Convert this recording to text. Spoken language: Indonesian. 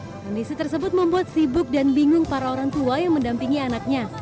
kondisi tersebut membuat sibuk dan bingung para orang tua yang mendampingi anaknya